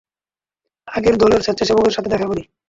আগে দলের সেচ্ছাসেবকদের সাথে দেখা করি।